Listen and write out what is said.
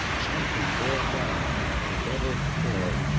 Champlin bore down and endeavored to board.